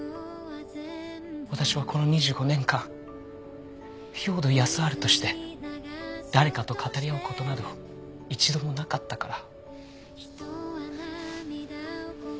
私はこの２５年間兵働耕春として誰かと語り合う事など一度もなかったから。